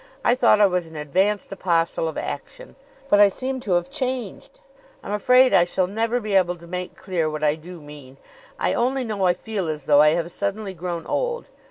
I thought I was an advanced apostle of action; but I seem to have changed. I'm afraid I shall never be able to make clear what I do mean. I only know I feel as though I have suddenly grown old.